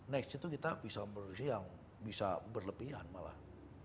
next itu kita bisa memproduksi yang bisa berlebihan malah